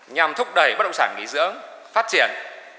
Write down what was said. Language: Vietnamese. nhằm thúc đẩy bất động sản nghỉ dưỡng phát triển